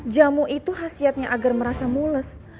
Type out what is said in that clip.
jamu itu khasiatnya agar merasa mules